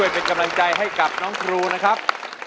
เป็นกำลังใจให้กับน้องครูนะครับ